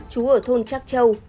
trú ở thôn trác châu